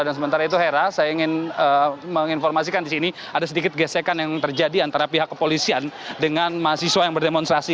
dan sementara itu hera saya ingin menginformasikan disini ada sedikit gesekan yang terjadi antara pihak kepolisian dengan mahasiswa yang berdemonstrasi